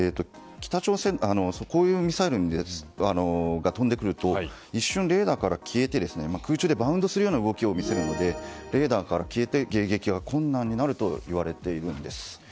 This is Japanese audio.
こういうミサイルが飛んでくると一瞬レーダーから消えて空中でバウンドするような動きを見せるのでレーダーから消えて迎撃が困難になるといわれているんです。